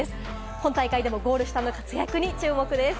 今大会でもゴール下での活躍に注目です。